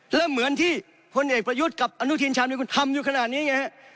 แล้วเหมือนที่พลเอกประยุทธ์กับอนุทินชามนุคุณทำอยู่ขนาดนี้ไงฮะ